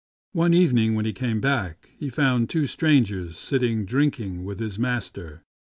One evening when he came back he found two strangers sitting drinking with his master.